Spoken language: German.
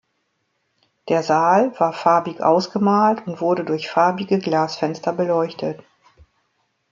Der Saal war farbig ausgemalt und wurde durch farbige Glasfenster beleuchtet.